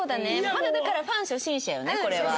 まだだからファン初心者よねこれは。